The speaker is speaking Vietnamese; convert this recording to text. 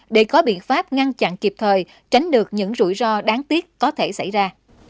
để có biện pháp ngăn chặn kịp thời tránh được những rủi ro đáng tiếc có thể xảy ra